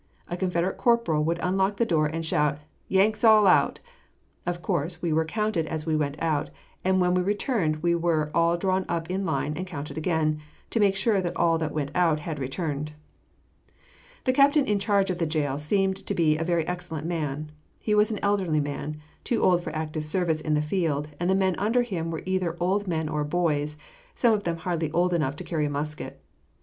A Confederate corporal would unlock the door, and shout out, "Yanks all out!" Of course, we were counted as we went out, and when we returned we were all drawn up in line and counted again, to make sure that all that went out had returned. The captain in charge of the jail seemed to be a very excellent man. He was an elderly man, too old for active service in the field, and the men under him were either old men or boys, some of them hardly old enough to carry a musket.